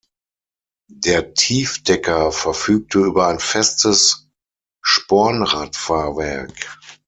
Der Tiefdecker verfügte über ein festes Spornradfahrwerk.